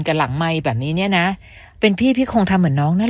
หลังไมค์แบบนี้เนี่ยนะเป็นพี่พี่คงทำเหมือนน้องนั่นแหละ